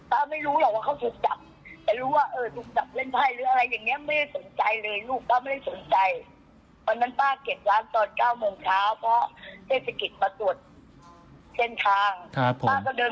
ทำไมต้องมาเรียกพี่เหมือนกับดุมเลย